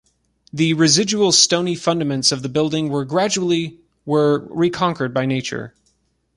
The residual stony fundaments of the building were gradually were reconquered by nature.